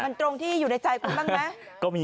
มันตรงที่อยู่ในใจคุณบ้างไหม